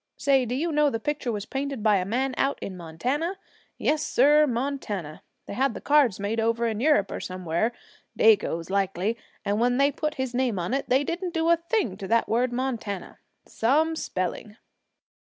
Say, do you know the picture was painted by a man out in Montana? Yes, sir, Montana. They had the cards made over in Europe somewhere, Dagoes, likely, and when they put his name on it, they didn't do a thing to that word Montana. Some spelling!'